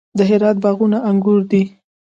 د هرات باغونه انګور دي